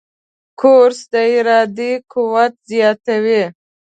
کورس د ارادې قوت زیاتوي.